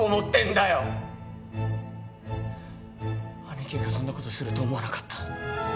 兄貴がそんなことすると思わなかった。